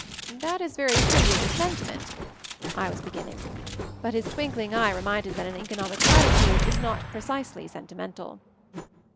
"That is very pretty as a sentiment," I was beginning; but his twinkling eye re minded that an economic platitude is not precisely sentimental.